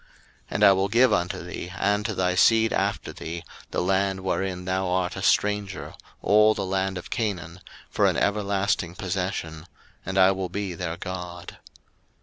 01:017:008 And I will give unto thee, and to thy seed after thee, the land wherein thou art a stranger, all the land of Canaan, for an everlasting possession; and I will be their God.